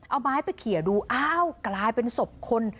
เอาไม้ไปเขียนดูอ้าวกลายเป็นศพคน